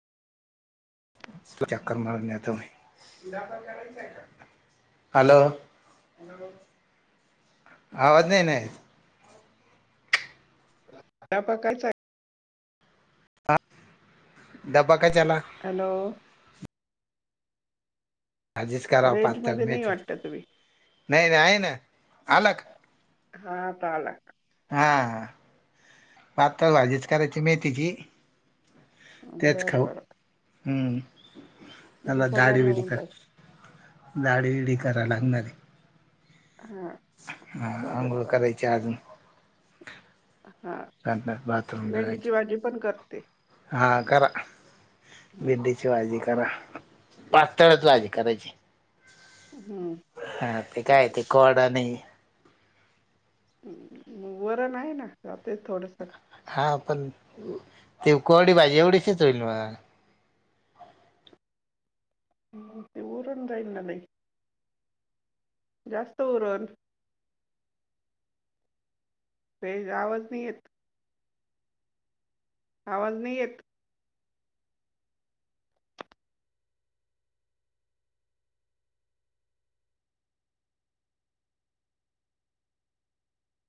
तू चकर मारण्या तम हॅलो आवाज नाही नाही त्या प कायच ड्बा काय चला हॅलो हा जिसका राव रेंज पाक मध्ये मथ नाही वाटत तुम्ही नाही आहे ना अलाग हा पाला हा पातळ भाजीच करायची मेहथीची तेच बरं खाऊ बरं हम्म म्हणजे नला ाळी सगळ्यांना होऊन बघत जाईल दाळीविडी कराव लागणार हां हा आंघोळ करायची अजून हा संडास मेंढची भाजी पण करते हां करा हम्म, भेंडीची भाजी करा पातळच वाजी करायची हम् हा पी काय ते कडा नाही वरण आहे ना जाते थोडंसं हा पण ते कोडी भाजी एवढीचच होईल म ते उरून जाईल ना नाही जास्त उरून ते आवाज नीेत आवाज नाही येत